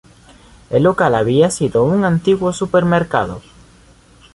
El local había sido un antiguo supermercado.